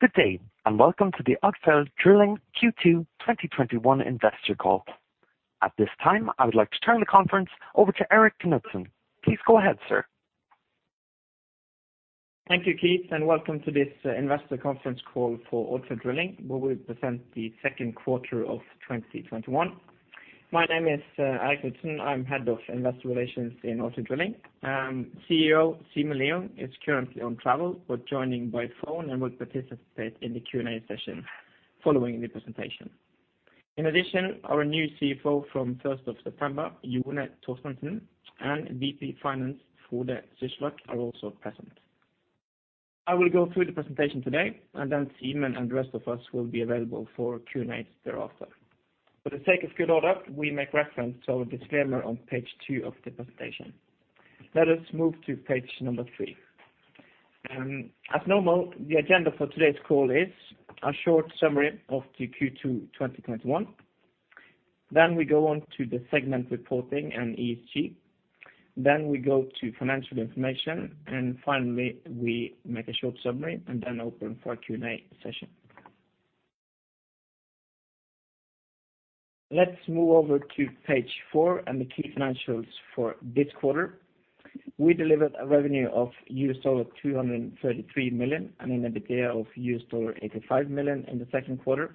Good day. Welcome to the Odfjell Drilling Q2 2021 investor call. At this time, I would like to turn the conference over to Eirik Knudsen. Please go ahead, sir. Thank you, Keith, and welcome to this investor conference call for Odfjell Drilling, where we present the Q2 of 2021. My name is Eirik Knudsen. I'm head of investor relations in Odfjell Drilling. CEO Simen Lieungh is currently on travel but joining by phone and will participate in the Q&A session following the presentation. Our new CFO from 1st of September, Jone Torstensen, and VP Finance, Frode Syslak, are also present. I will go through the presentation today, Simen and the rest of us will be available for Q&A thereafter. For the sake of good order, we make reference to our disclaimer on page two of the presentation. Let us move to page number three. As normal, the agenda for today's call is a short summary of the Q2 2021. We go on to the segment reporting and ESG. We go to financial information, and finally, we make a short summary and open for Q&A session. Let's move over to page four and the key financials for this quarter. We delivered a revenue of $233 million and an EBITDA of $85 million in the Q2.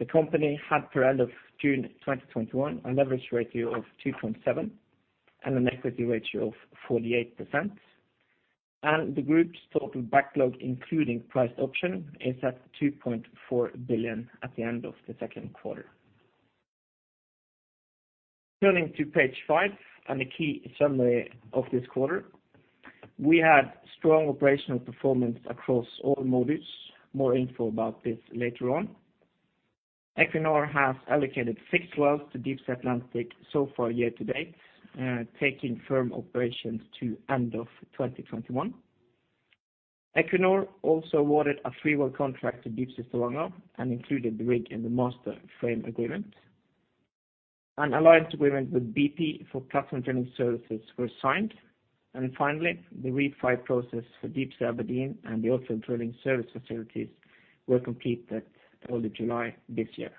The company had, per end of June 2021, a leverage ratio of 2.7 and an equity ratio of 48%. The group's total backlog, including priced option, is at $2.4 billion at the end of the Q2. Turning to page five and the key summary of this quarter. We had strong operational performance across all modules. More info about this later on. Equinor has allocated six wells to Deepsea Atlantic so far year to date, taking firm operations to end of 2021. Equinor also awarded a three-well contract to Deepsea Stavanger and included the rig in the master frame agreement. An alliance agreement with BP for platform drilling services was signed. Finally, the REAP 5 process for Deepsea Aberdeen and the Odfjell Drilling service facilities were completed early July this year.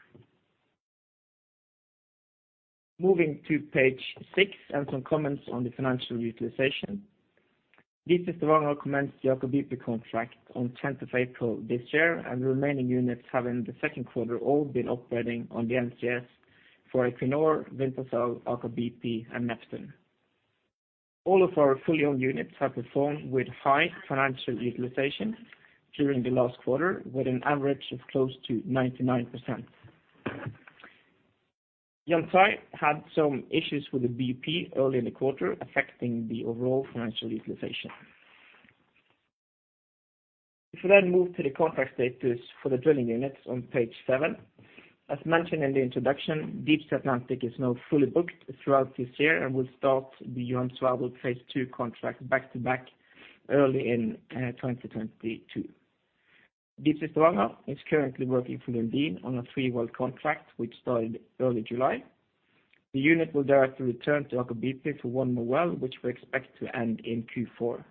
Moving to page six and some comments on the financial utilization. Deepsea Stavanger commenced the Aker BP contract on 10th of April this year, and the remaining units have in the Q2 all been operating on the NCS for Equinor, Wintershall, Aker BP, and Neptune. All of our fully owned units have performed with high financial utilization during the last quarter, with an average of close to 99%. Deepsea Yantai had some issues with the BOP early in the quarter, affecting the overall financial utilization. If we then move to the contract status for the drilling units on page seven. As mentioned in the introduction, Deepsea Atlantic is now fully booked throughout this year and will start the Johan Sverdrup phase II contract back to back early in 2022. Deepsea Stavanger is currently working for Lundin on a 3-well contract, which started early July. The unit will directly return to Aker BP for one more well, which we expect to end in Q4.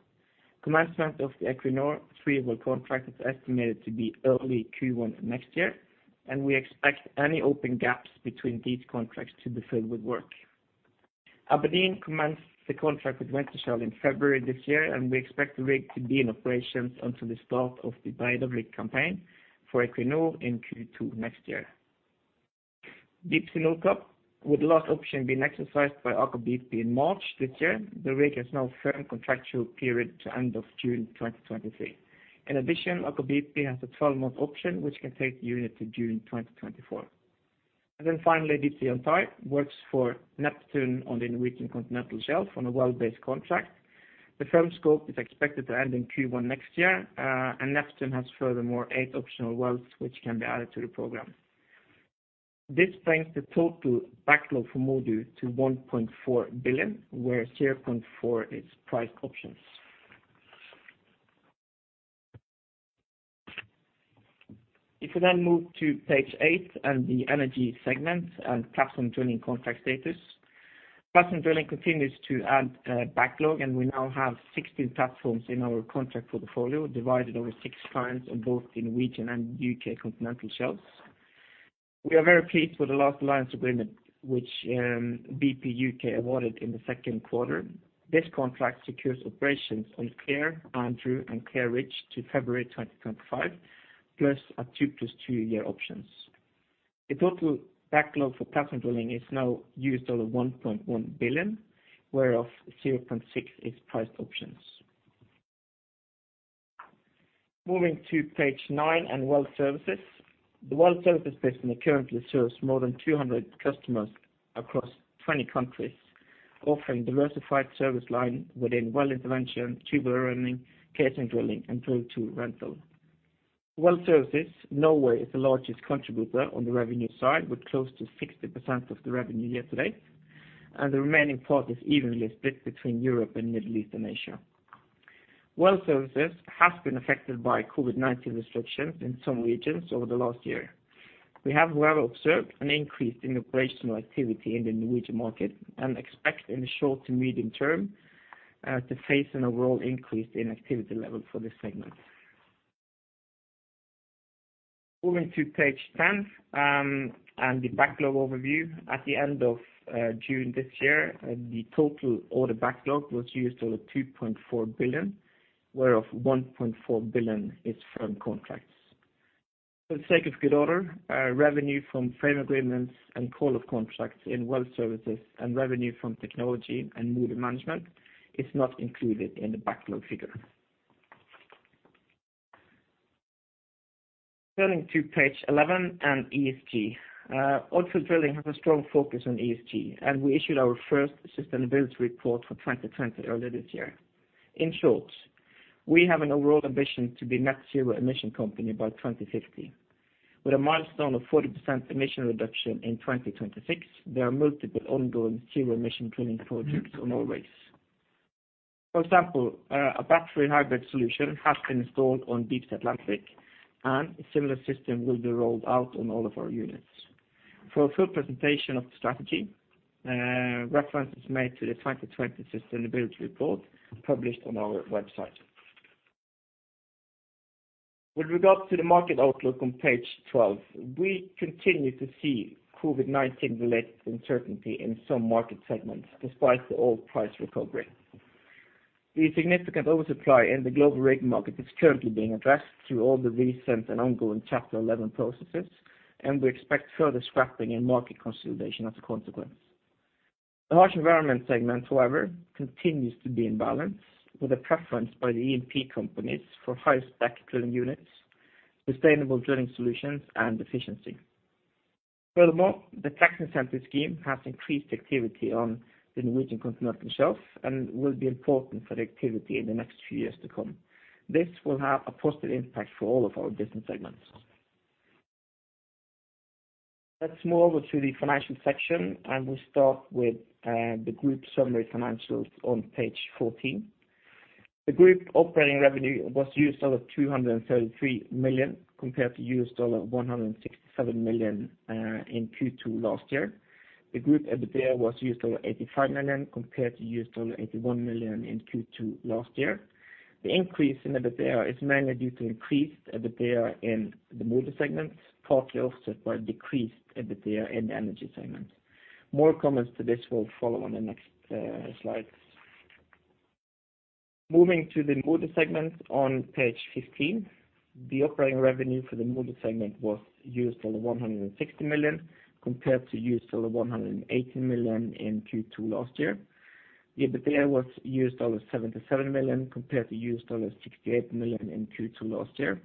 Commencement of the Equinor 3-well contract is estimated to be early Q1 next year, and we expect any open gaps between these contracts to be filled with work. Aberdeen commenced the contract with Wintershall in February this year, and we expect the rig to be in operations until the start of the Breidablikk campaign for Equinor in Q2 next year. Deepsea Nordkapp, with the last option being exercised by Aker BP in March this year, the rig has now firm contractual period to end of June 2023. In addition, Aker BP has a 12-month option, which can take the unit to June 2024. Deepsea Yantai works for Neptune on the Norwegian Continental Shelf on a well-based contract. The firm scope is expected to end in Q1 next year. Neptune has furthermore 8 optional wells which can be added to the program. This brings the total backlog for MODU to $1.4 billion, where $0.4 is priced options. If we then move to page eight and the energy segment and platform drilling contract status. Platform drilling continues to add backlog. We now have 16 platforms in our contract portfolio, divided over six clients on both the Norwegian and U.K. continental shelves. We are very pleased with the last alliance agreement, which BP UK awarded in the Q2. This contract secures operations on Clair, Andrew, and Clair Ridge to February 2025, plus a 2, +2 year options. The total backlog for platform drilling is now $1.1 billion, whereof $0.6 is priced options. Moving to page 9 and well services. The well services business currently serves more than 200 customers across 20 countries, offering diversified service line within well intervention, tubular running, casing drilling, and tool rental. Well services, Norway is the largest contributor on the revenue side, with close to 60% of the revenue year to date, and the remaining part is evenly split between Europe and Middle East and Asia. Well services has been affected by COVID-19 restrictions in some regions over the last year. We have well observed an increased in operational activity in the Norwegian market and expect in the short to medium term to face an overall increase in activity level for this segment. Moving to page 10 and the backlog overview. At the end of June this year, the total order backlog was $2.4 billion, whereof $1.4 billion is from contracts. For the sake of good order, revenue from frame agreements and call-off contracts in well services and revenue from technology and mooring management is not included in the backlog figure. Turning to page 11 and ESG. Odfjell Drilling has a strong focus on ESG, and we issued our first sustainability report for 2020 earlier this year. In short, we have an overall ambition to be net zero emission company by 2050 with a milestone of 40% emission reduction in 2026. There are multiple ongoing zero emission drilling projects on our rigs. For example, a battery hybrid solution has been installed on Deepsea Atlantic. A similar system will be rolled out on all of our units. For a full presentation of the strategy, reference is made to the 2020 sustainability report published on our website. With regards to the market outlook on page 12, we continue to see COVID-19 related uncertainty in some market segments, despite the oil price recovery. The significant oversupply in the global rig market is currently being addressed through all the recent and ongoing Chapter 11 processes. We expect further scrapping and market consolidation as a consequence. The harsh environment segment, however, continues to be in balance with a preference by the E&P companies for higher spec drilling units, sustainable drilling solutions and efficiency. The tax incentive scheme has increased activity on the Norwegian Continental Shelf and will be important for the activity in the next few years to come. This will have a positive impact for all of our business segments. Let's move over to the financial section. We start with the group summary financials on page 14. The group operating revenue was $233 million compared to $167 million in Q2 last year. The group EBITDA was $85 million compared to $81 million in Q2 last year. The increase in EBITDA is mainly due to increased EBITDA in the MODU segment, partly offset by decreased EBITDA in the energy segment. More comments to this will follow on the next slides. Moving to the MODU segment on page 15. The operating revenue for the MODU segment was $160 million compared to $118 million in Q2 last year. The EBITDA was $77 million compared to $68 million in Q2 last year.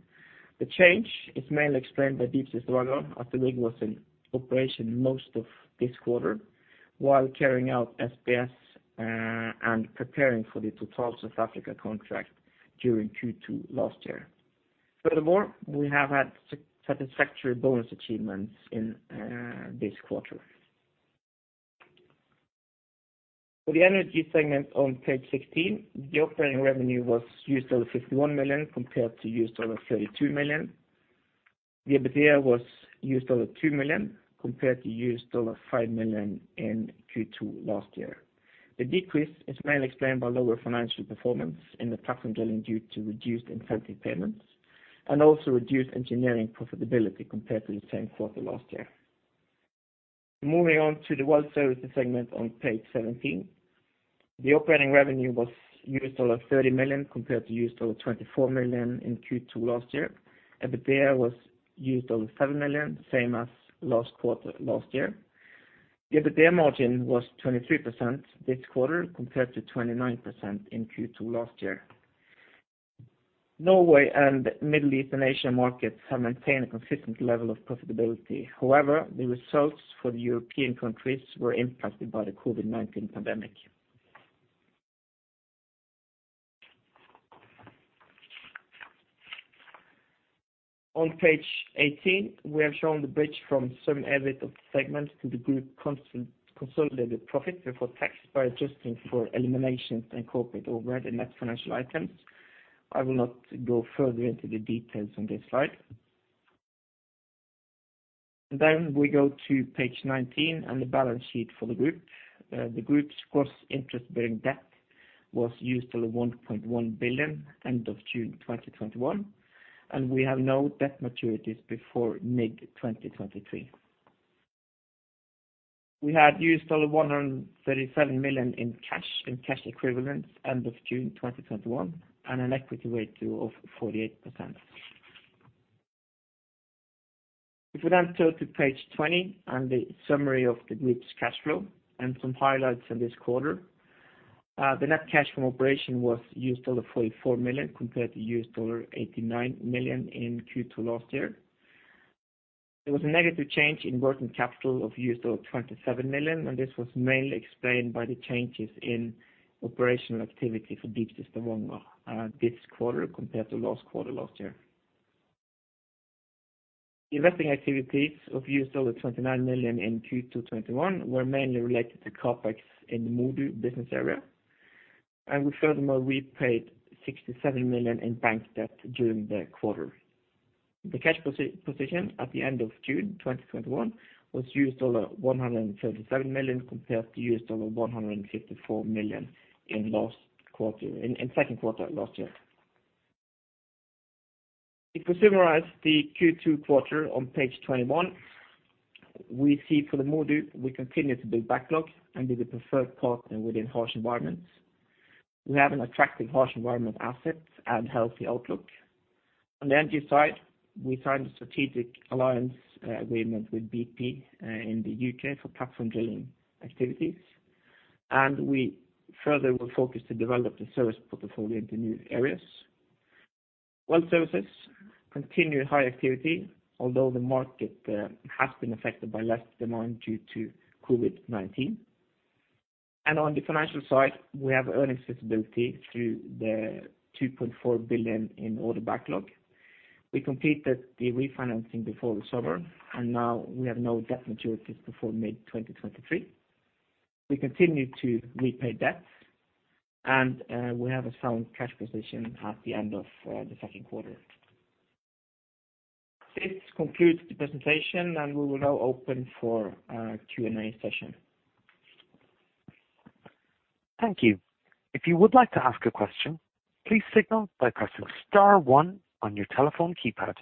The change is mainly explained by Deepsea Stavanger as the rig was in operation most of this quarter while carrying out SPS and preparing for the Total E&P South Africa contract during Q2 last year. We have had satisfactory bonus achievements in this quarter. For the energy segment on page 16, the operating revenue was $51 million compared to $32 million. The EBITDA was $2 million compared to $5 million in Q2 last year. The decrease is mainly explained by lower financial performance in the platform drilling due to reduced incentive payments and also reduced engineering profitability compared to the same quarter last year. Moving on to the well services segment on page 17. The operating revenue was $30 million compared to $24 million in Q2 last year. EBITDA was $7 million, same as last quarter last year. The EBITDA margin was 23% this quarter compared to 29% in Q2 last year. Norway and Middle East and Asia markets have maintained a consistent level of profitability. However, the results for the European countries were impacted by the COVID-19 pandemic. On page 18, we have shown the bridge from segment EBIT of the segments to the group consolidated profit before tax by adjusting for eliminations and corporate overhead and net financial items. I will not go further into the details on this slide. We go to page 19 and the balance sheet for the group. The group's gross interest bearing debt was $1.1 billion end of June 2021, and we have no debt maturities before mid-2023. We had $137 million in cash and cash equivalents end of June 2021 and an equity ratio of 48%. If we then turn to page 20 and the summary of the group's cash flow and some highlights on this quarter. The net cash from operation was $44 million compared to $89 million in Q2 last year. There was a negative change in working capital of $27 million, and this was mainly explained by the changes in operational activity for Deepsea Stavanger this quarter compared to last quarter last year. Investing activities of $29 million in Q2 2021 were mainly related to CapEx in the MODU business area. We furthermore repaid $67 million in bank debt during the quarter. The cash position at the end of June 2021 was $137 million, compared to $154 million in Q2 last year. If we summarize the Q2 quarter on page 21, we see for the MODU, we continue to build backlog and be the preferred partner within harsh environments. We have an attractive harsh environment asset and healthy outlook. On the Energy side, we signed a strategic alliance agreement with BP in the U.K. for platform drilling activities. We further will focus to develop the service portfolio into new areas. Well services, continue high activity, although the market has been affected by less demand due to COVID-19. On the financial side, we have earnings visibility through the $2.4 billion in order backlog. We completed the refinancing before the summer. Now we have no debt maturities before mid-2023. We continue to repay debt, and we have a sound cash position at the end of the Q2. This concludes the presentation, and we will now open for a Q&A session. Thank you. If you would like to ask a question, please signal by pressing star 1 on your telephone keypad.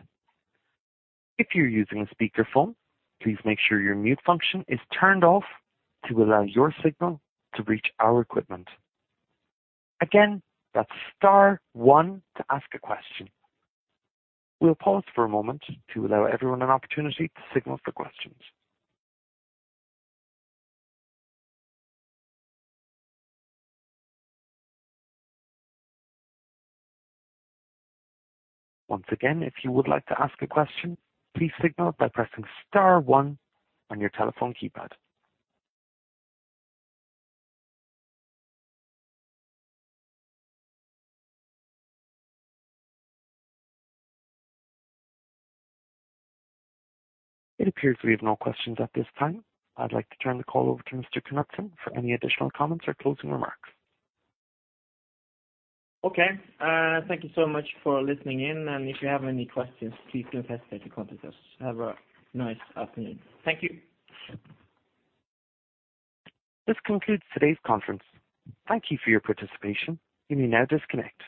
If you're using a speakerphone, please make sure your mute function is turned off to allow your signal to reach our equipment. Again, that's star 1 to ask a question. We'll pause for a moment to allow everyone an opportunity to signal for questions. Once again, if you would like to ask a question, please signal by pressing star 1 on your telephone keypad. It appears we have no questions at this time. I'd like to turn the call over to Mr. Knudsen for any additional comments or closing remarks. Okay. Thank you so much for listening in. If you have any questions, please don't hesitate to contact us. Have a nice afternoon. Thank you. This concludes today's conference. Thank you for your participation. You may now disconnect.